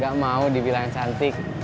gak mau dibilang cantik